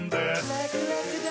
ラクラクだ！